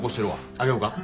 あげよか？